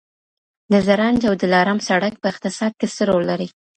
د زرنج او دلارام سړک په اقتصاد کي څه رول لري؟